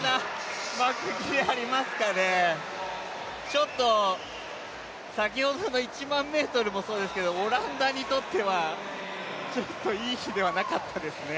ちょっと先ほどの１００００ｍもそうですけどオランダにとってはちょっといい日ではなかったですね。